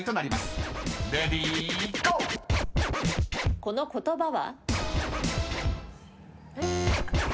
この言葉は？